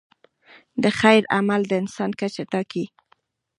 د خیر عمل د انسان کچه ټاکي.